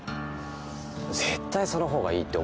絶対その方がいいって。